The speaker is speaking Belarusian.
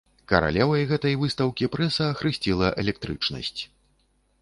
Каралевай гэтай выстаўкі прэса ахрысціла электрычнасць.